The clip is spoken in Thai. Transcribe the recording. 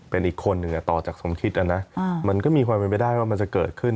เป็นอีกคนหนึ่งต่อจากสมคิดนะนะมันก็มีความเป็นไปได้ว่ามันจะเกิดขึ้น